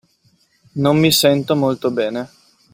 Non mi sento molto bene.